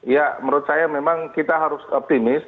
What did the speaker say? ya menurut saya memang kita harus optimis